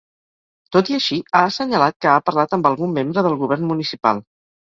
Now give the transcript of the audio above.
Tot i així, ha assenyalat que ha parlat amb ‘algun membre del govern’ municipal.